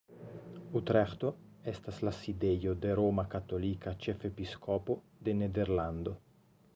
Utreĥto estas la sidejo de la roma katolika ĉefepiskopo de Nederlando.